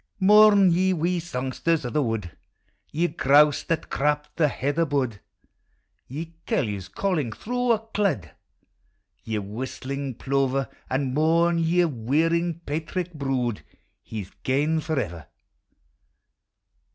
Mourn, ye wee songsters o' the wood; Ye grouse that crap the heather bud; Ye curlews calling through a clud; Ye whistling plover; And mourn, ye whirring paitrick brood; IJe 's gaue forever!